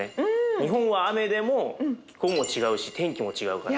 日本は雨でも気候も違うし天気も違うから。